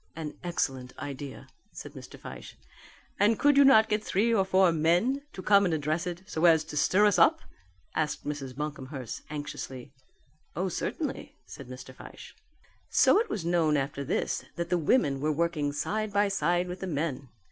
"An excellent idea," said Mr. Fyshe. "And could you not get three or four men to come and address it so as to stir us up?" asked Mrs. Buncomhearst anxiously. "Oh, certainly," said Mr. Fyshe. So it was known after this that the women were working side by side with the men.